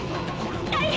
大変！